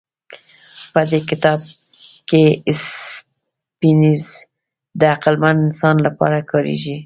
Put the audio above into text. په دې کتاب کې سیپینز د عقلمن انسان لپاره کارېږي.